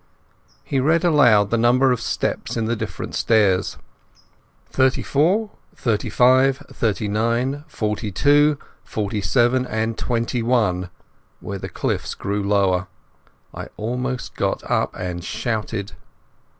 He read aloud the number of steps in the different stairs. "Thirty four, thirty five, thirty nine, forty two, forty seven," and "twenty one' where the cliffs grew lower. I almost got up and shouted.